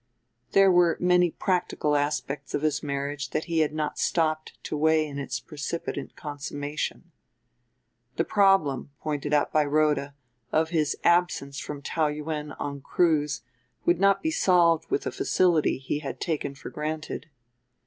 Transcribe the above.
There were many practical aspects of his marriage that he had not stopped to weigh in its precipitant consummation. The problem, pointed out by Rhoda, of his absence from Taou Yuen on cruise could not be solved with the facility he had taken for granted.